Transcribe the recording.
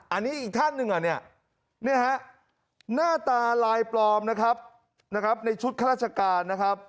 อันนี้อีกท่านหนึ่งอ่ะเนี่ยฮะหน้าตาลายปลอมนะครับในชุดข้าราชการนะครับ